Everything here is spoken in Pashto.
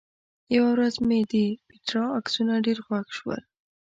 یوه ورځ مې د پېټرا عکسونه ډېر خوښ شول.